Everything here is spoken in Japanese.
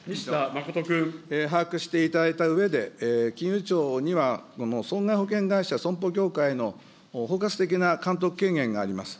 把握していただいたうえで、金融庁には損害保険会社、損保業界の包括的な監督権限があります。